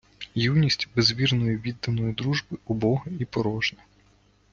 Юність без вірної, відданої дружби — убога і порожня.